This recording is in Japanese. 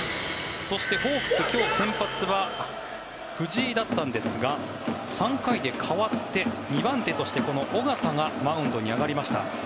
そしてホークス、今日先発は藤井だったんですが３回で代わって２番手として尾形がマウンドに上がりました。